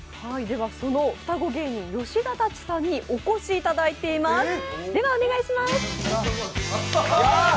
その双子芸人、吉田たちさんにお越しいただいています。